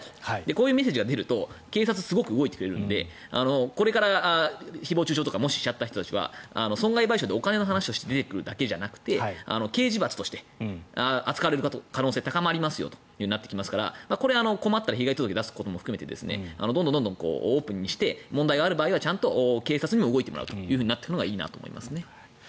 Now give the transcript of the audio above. こういうメッセージが出ると警察はすごく動いてくれるのでこれから誹謗・中傷とかもししちゃった人たちは損害賠償でお金の話として出てくるだけじゃなくて刑事罰として扱われる可能性が高いということになってきますからこれ困ったら被害届を出すことも含めてどんどんオープンにして問題がある場合はちゃんと警察に動いてもらうということになってくるのがいいなと思いますね。